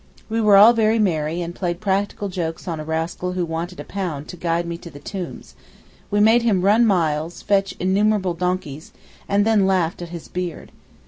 We were all very merry, and played practical jokes on a rascal who wanted a pound to guide me to the tombs: we made him run miles, fetch innumerable donkeys, and then laughed at his beard.